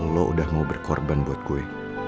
lo udah mau berkorban buat gue